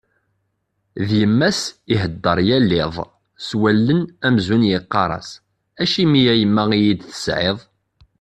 D yemma-s ihedder yal iḍ, s wallen amzun yeqqar-as: Acimi a yemma i iyi-d-tesɛiḍ?